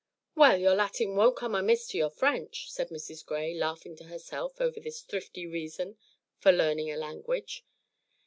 "Well, your Latin won't come amiss to your French," said Mrs. Gray, laughing to herself over this thrifty reason for learning a language.